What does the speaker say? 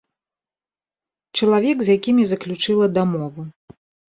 Чалавек, з якім я заключыла дамову.